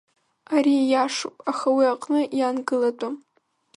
Ари ииашоуп, аха уи аҟны иаангылатәым.